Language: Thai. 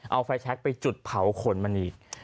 เอาไฟแท็กไปจุดเผาขนมันอีก